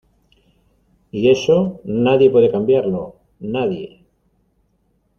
y eso nadie puede cambiarlo, nadie.